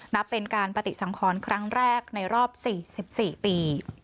นับเป็นการปฏิสังขรครั้งแรกในรอบ๔๔ปี